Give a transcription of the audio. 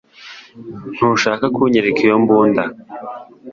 Ntushaka kunyereka iyo mbunda.